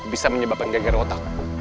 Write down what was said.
bisa menyebabkan geger otak